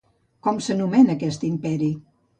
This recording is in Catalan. Com s'anomenà aquest imperi?